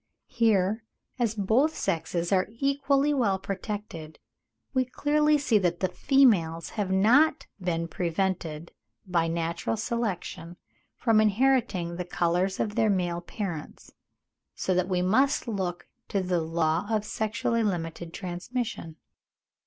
Here, as both sexes are equally well protected, we clearly see that the females have not been prevented by natural selection from inheriting the colours of their male parents; so that we must look to the law of sexually limited transmission.